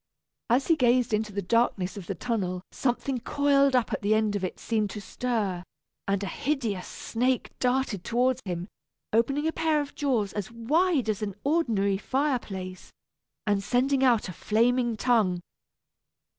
As he gazed into the darkness of the tunnel something coiled up at the end of it seemed to stir, and a hideous snake darted toward him, opening a pair of jaws as wide as an ordinary fireplace, and sending out a flaming tongue.